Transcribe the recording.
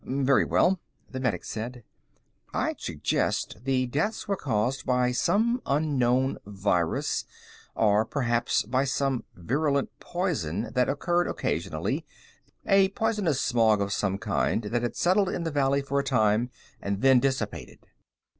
"Very well," the medic said. "I'd suggest the deaths were caused by some unknown virus or, perhaps, by some virulent poison that occurred occasionally, a poisonous smog of some kind that had settled in the valley for a time and then dissipated."